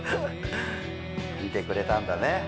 見てくれたんだね